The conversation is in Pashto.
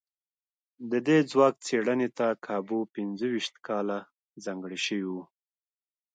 د دې ځواک څېړنې ته کابو پينځو ويشت کاله ځانګړي شوي وو.